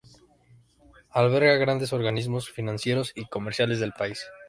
Alberga grandes organismos financieros y comerciales del país.